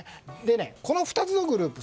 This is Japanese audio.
この２つのグループ